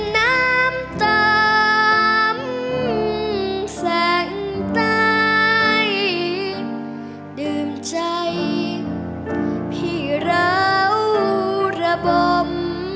น้ำตามแสงใต้ดื่มใจเพล่ารบม